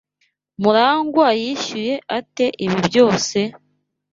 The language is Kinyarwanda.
Murangwa yishyuye ate ibi byose?